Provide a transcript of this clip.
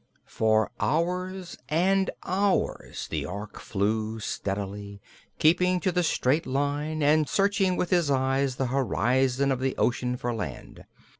For hours and hours the Ork flew steadily, keeping to the straight line and searching with his eyes the horizon of the ocean for land.